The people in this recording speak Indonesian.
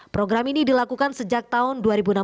program ini dilakukan sejak tahun dua ribu enam belas